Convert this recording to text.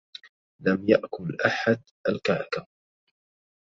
لم يأكل أحد الكعكة.